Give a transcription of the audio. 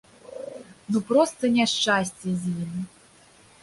Ну проста няшчасце з ім.